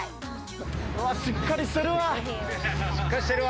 うわ、しっかりしてるわ。